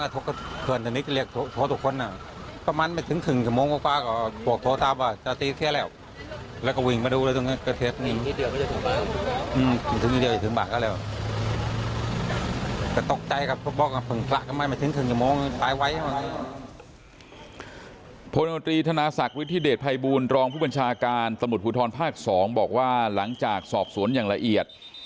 ถึงบากแล้วแต่ตกใจกับพวกบอกว่าเพิ่งกลับก็ไม่มาถึงถึงจะมองตายไว้